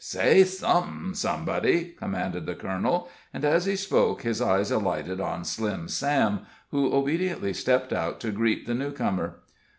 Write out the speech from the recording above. "Say somethin', somebody," commanded the colonel, and as he spoke his eyes alighted on Slim Sam, who obediently stepped out to greet the newcomer.